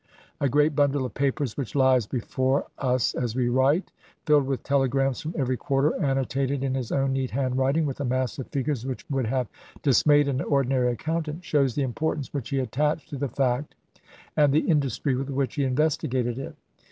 A great bundle of papers which lies before us as we write, filled with telegrams from every quarter annotated in his own neat handwriting, with a mass of figures which would have dismayed an ordinary accountant, shows the importance which he attached to this fact and the industry with which he investigated it.